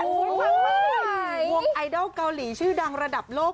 วงไอดอลเกาหลีชื่อดังระดับโลก